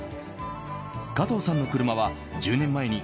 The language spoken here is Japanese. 加藤さんの車は、１０年前に